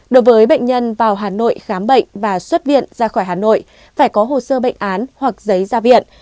đối với bệnh nhân vào hà nội khám bệnh và xuất viện ra khỏi hà nội phải có hồ sơ bệnh án hoặc giấy ra viện